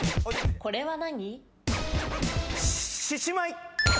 これは何？